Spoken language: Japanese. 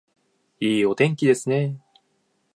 いいお天気ですね